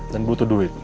dan butuh duit